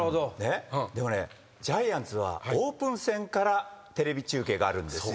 でもねジャイアンツはオープン戦からテレビ中継があるんですよ。